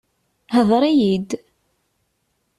Hḍeṛ-iyi-d!